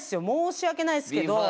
申し訳ないですけど。